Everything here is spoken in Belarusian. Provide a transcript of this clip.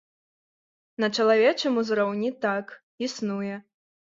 На чалавечым узроўні так, існуе.